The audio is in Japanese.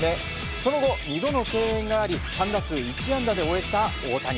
その後、２度の敬遠があり３打数１安打で終えた大谷。